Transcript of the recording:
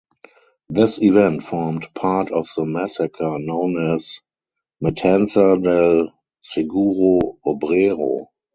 This event formed part of the massacre known as "Matanza del Seguro Obrero".